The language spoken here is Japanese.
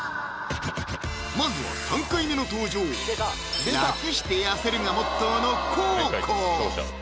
まずは３回目の登場楽して痩せるがモットーの黄皓